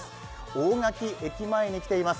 大垣駅前に来ています